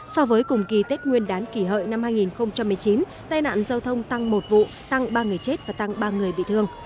so với cùng kỳ tết nguyên đán kỷ hợi năm hai nghìn một mươi chín tai nạn giao thông tăng một vụ tăng ba người chết và tăng ba người bị thương